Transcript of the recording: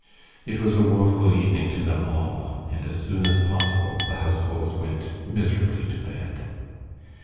It was a woeful evening to them all, and as soon as possible the household went miserably to bed.